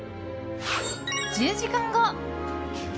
１０時間後。